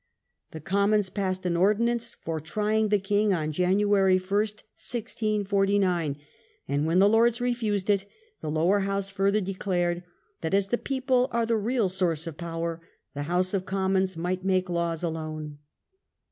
The Commons passed an Ordinance for trying the king on January i, 1649, and when the Lords refused it the Lower House further declared that as the people are the real source of power the House of Commons might make laws alone.